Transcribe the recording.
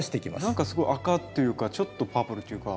何かすごい赤というかちょっとパープルというか。